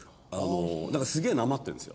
だからすげえなまってるんですよ。